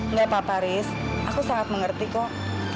nggak apa apa riz aku sangat mengerti kok